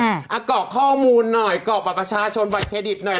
ส่งเพจอะไรมาอย่างเงี้ยอ่ะกรอกข้อมูลหน่อยกรอกบัตรประชาชนบัตรเครดิตหน่อย